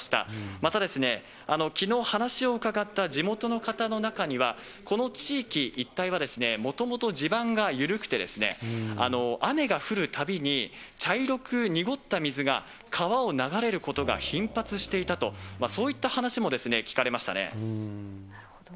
また、きのう話を伺った地元の方の中には、この地域一帯は、もともと地盤が緩くて、雨が降るたびに茶色く濁った水が川を流れることが頻発していたと、なるほど。